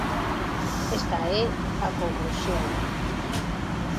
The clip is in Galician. Esta é a conclusión.